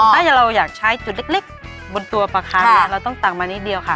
ถ้าเราอยากใช้จุดเล็กบนตัวปลาคังเนี่ยเราต้องตักมานิดเดียวค่ะ